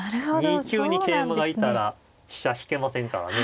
２九に桂馬がいたら飛車引けませんからね。